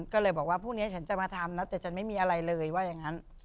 ก็เลยบอกว่าพรุ่งนี้ฉันจะมาทำนะแต่ฉันไม่มีอะไรเลยว่าอย่างนั้น